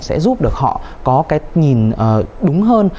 sẽ giúp được họ có cái nhìn đúng hơn